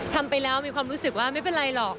ทำไปแล้วมีความรู้สึกว่าไม่เป็นไรหรอก